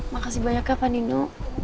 makasih banyak ya pak nino